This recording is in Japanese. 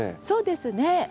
そうですね。